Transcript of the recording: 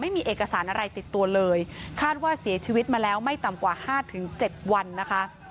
ไม่มีเอกสารอะไรติดตัวเลยคาดว่าเสียชีวิตมาแล้วไม่ต่ำกว่า๕๗วันนะคะ